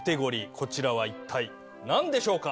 こちらは一体なんでしょうか？